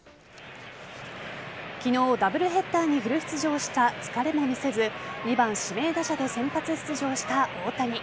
昨日、ダブルヘッダーにフル出場した疲れも見せず２番・指名打者で先発出場した大谷。